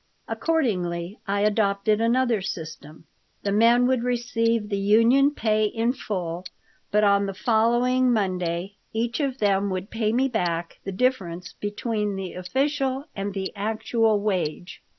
Accordingly, I adopted another system: the men would receive the union pay in full, but on the following Monday each of them would pay me back the difference between the official and the actual wage.